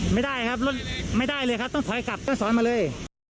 ไม่ได้ครับรถไม่ได้เลยครับต้องถอยกลับต้องสอนมาเลย